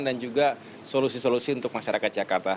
dan juga solusi solusi untuk masyarakat jakarta